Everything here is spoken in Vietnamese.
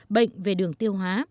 bệnh về đường tiêu hóa